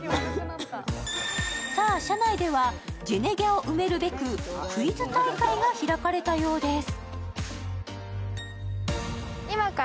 さあ、車内ではジェネギャを埋めるべくクイズ大会が開かれたようです。